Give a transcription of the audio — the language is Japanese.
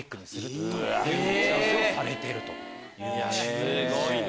すごいね！